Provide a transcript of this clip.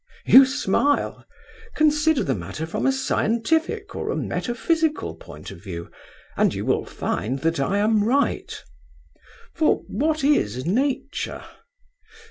You smile. Consider the matter from a scientific or a metaphysical point of view, and you will find that I am right. For what is Nature?